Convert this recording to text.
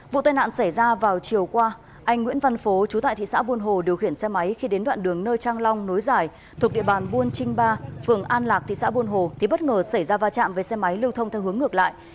vụ tai nạn xảy ra vào chiều qua anh nguyễn văn phố chú tại thị xã buôn hồ điều khiển xe máy khi đến đoạn đường nơi trang long nối giải thuộc địa bàn buôn trinh ba phường an lạc thị xã buôn hồ thì bất ngờ xảy ra va chạm với xe máy lưu thông theo hướng ngược lại